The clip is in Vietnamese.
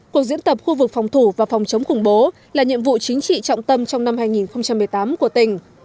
cuộc diễn tập khu vực phòng thủ và phòng chống khủng bố là nhiệm vụ chính trị trọng tâm trong năm hai nghìn một mươi tám của tỉnh